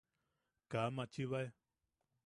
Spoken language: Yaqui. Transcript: Kaa machibae.